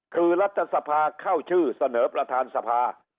คือรัฐสภาเข้าชื่อเสนอประธานสภา